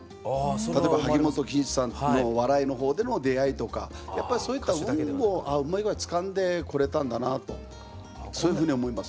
例えば萩本欽一さんとの笑いの方での出会いとかやっぱりそういった運もうまい具合につかんでくれたんだなとそういうふうに思います。